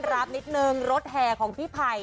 ไปดูรถแถวพวกมัน